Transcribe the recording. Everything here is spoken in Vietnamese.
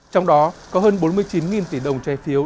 trong đó có hơn bốn mươi chín tỷ đồng trái phiếu